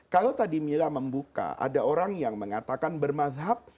kalau tadi mila membuka ada orang yang mengatakan bermadhab